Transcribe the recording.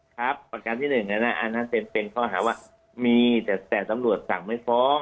ประการที่๑อันนั้นเป็นข้อหาว่ามีแต่ตำรวจสั่งไม่ฟ้อง